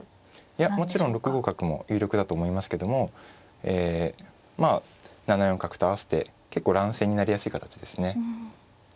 いやもちろん６五角も有力だと思いますけどもえまあ７四角と合わせて結構乱戦になりやすい形ですね。